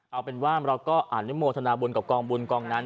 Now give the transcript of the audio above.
เอาเป็นว่าเราก็อนุโมทนาบุญกับกองบุญกองนั้น